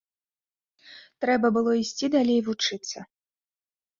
Трэба было ісці далей вучыцца.